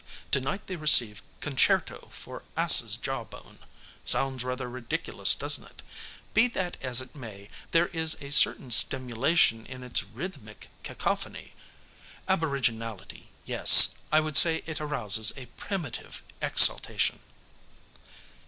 Tonight, they receive 'Concerto For Ass's Jawbone.' Sounds rather ridiculous, doesn't it? Be that as it may, there is a certain stimulation in its rhythmic cacophony. Aboriginality yes, I would say it arouses a primitive exaltation."